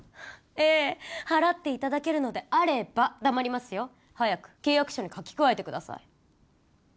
ええ払っていただけるのであれば黙りますよ早く契約書に書き加えてください